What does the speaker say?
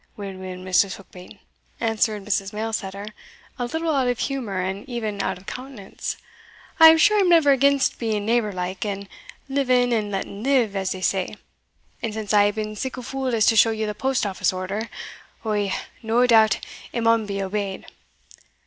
"Weel, weel, Mrs. Heukbane," answered Mrs. Mailsetter, a little out of humour, and even out of countenance, "I am sure I am never against being neighbour like, and living and letting live, as they say; and since I hae been sic a fule as to show you the post office order ou, nae doubt, it maun be obeyed.